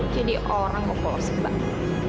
jadi orang kepolosan banget